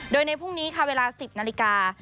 โดยในพรุ่งนี้ค่ะเวลา๑๐นาฬิกา